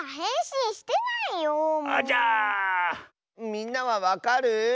みんなはわかる？